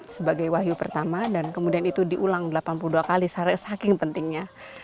sebagai wahyu pertama dan kemudian itu diulang delapan puluh dua kali saking pentingnya